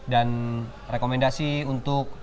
dan rekomendasi untuk